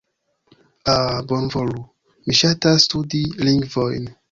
Ah... Bonvolu, mi ŝatas studi lingvojn...